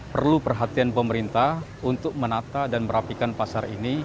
perlu perhatian pemerintah untuk menata dan merapikan pasar ini